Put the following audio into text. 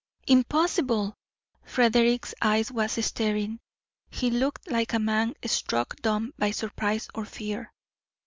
"Impossible!" Frederick's eye was staring; he looked like a man struck dumb by surprise or fear.